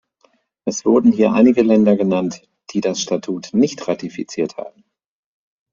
Es wurden hier einige Länder genannt, die das Statut nicht ratifiziert haben.